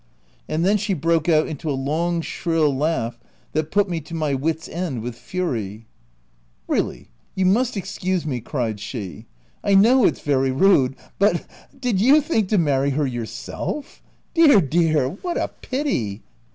And then she broke out into a long shrill laugh that put me to my wits' end with fury. "Really, you must excuse me," cried she :" I know it's very rude, but ha, ha, ha !— did you think to marry her yourself? Dear, dear, what a pity